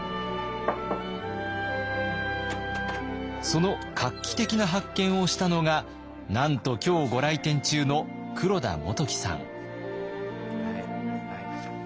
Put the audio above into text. その画期的な発見をしたのがなんと今日ご来店中の黒田基樹さん。